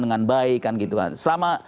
dengan baik kan gitu kan selama